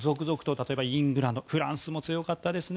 例えばイングランドフランスも強かったですね。